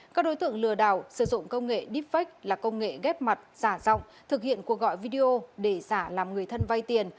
các đối tượng lừa đảo sử dụng công nghệ deepfake là công nghệ ghép mặt giả rộng thực hiện cuộc gọi video để giả làm người thân vay tiền